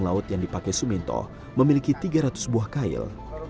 laut yang dipakai suminto memiliki tiga ratus buah kail